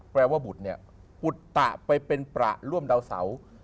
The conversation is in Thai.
ว่าบุตรเนี่ยอุตตะไปเป็นประร่วมดาวเสา